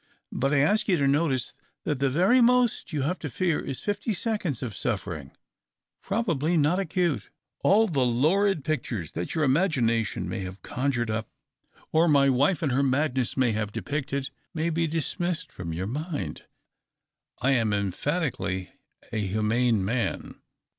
" But I ask you to notice that the very most you have to fear is fifty seconds of suffering — probably not acute. All the lurid pictures that your imagination may have conjured up, or my 318 THE OCTAVE OF CLAUDIUS. wife in her madness may have depicted, may be dismissed from your mind. I am em phatically a humane man.